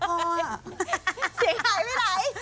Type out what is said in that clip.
เสียงหายไปไหน